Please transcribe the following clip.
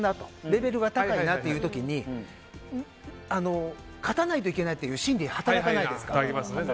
レベルが高いという時に勝たないといけないという心理が働かないですか。